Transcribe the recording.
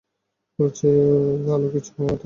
এর চেয়েও ভালো কিছু হওয়া উচিত।